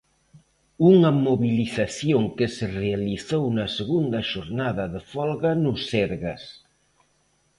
Unha mobilización que se realizou na segunda xornada de folga no Sergas.